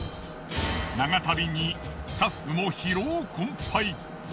長旅にスタッフも疲労困憊。